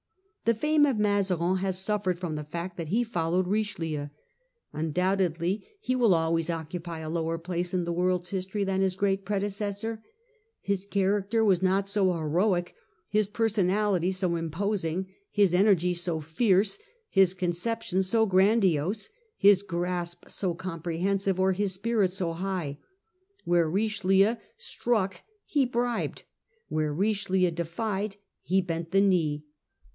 The fame of Mazarin has suffered from the fact that he followed Richelieu. Undoubtedly he will always occupy a lower place in the world's history than his great predecessor. His character was not so heroic, his per sonality so imposing, his energy so fierce, his conceptions so grandiose, his grasp so comprehensive, or his spirit so His charac high ; where Richelieu struck, he bribed ; ter ^ contrast w j iere Richelieu defied, he bent the knee.